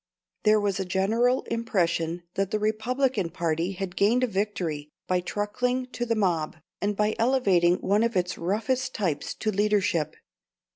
There was a general impression that the Republican party had gained a victory by truckling to the mob, and by elevating one of its roughest types to leadership.